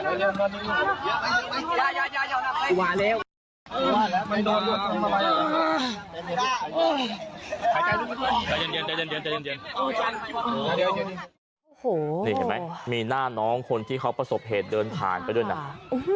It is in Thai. โอ้โหนี่เห็นไหมมีหน้าน้องคนที่เขาประสบเหตุเดินผ่านไปด้วยนะ